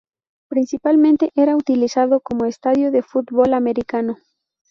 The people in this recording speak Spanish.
Principalmente era utilizado como estadio de fútbol americano.